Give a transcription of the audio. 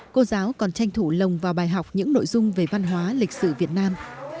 cô giáo còn tranh thủ lồng vào bài học những nội dung về văn hóa lịch sử việt nam